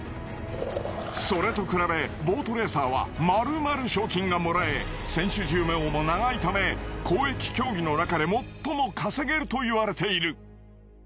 それと比べボートレーサーはまるまる賞金がもらえ選手寿命も長いため公益競技の中で最も稼げると言われている。